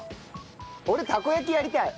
俺たこ焼きやりたい！